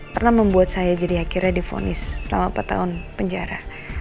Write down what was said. pernah membuat saya jadi akhirnya difonis selama empat tahun penjara